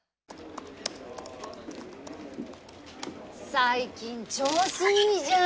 最近調子いいじゃん！